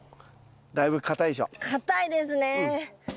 だいぶ硬いでしょ？